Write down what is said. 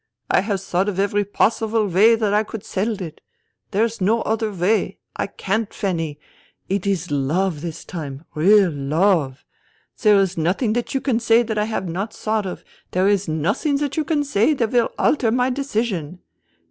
I have thought of every possible way that I could settle it. There is no other way. I can't, Fanny. It is love, this time, real love. There is nothing that you can say that I have not thought of. There is nothing that you can say that will alter my decision. ...'